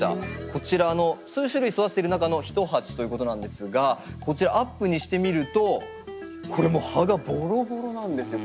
こちらの数種類育てている中の一鉢ということなんですがこちらアップにして見るとこれもう葉がボロボロなんですよ。